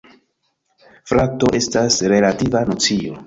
Frato estas relativa nocio.